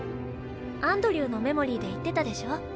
アンドリューのメモリーで言ってたでしょ？